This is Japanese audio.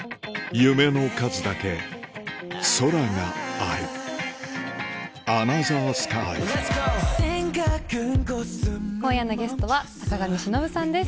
夢の数だけ空がある今夜のゲストは坂上忍さんです。